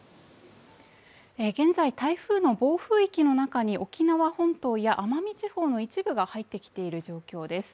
現在台風の暴風域の中に沖縄本島や奄美地方の一部が入ってきている状況です